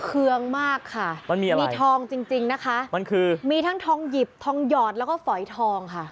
เครื่องมากค่ะมีทองจริงนะคะมีทั้งทองหยิบทองหยอดแล้วก็ฝอยทองค่ะ